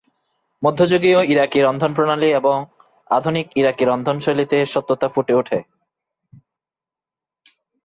মধ্যযুগীয় ইরাকী রন্ধনপ্রণালী এবং আধুনিক ইরাকী রন্ধনশৈলীতে এর সত্যতা ফুটে ওঠে।